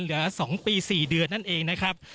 เหลือ๒ปี๔เดือนนั่นเองนะครับ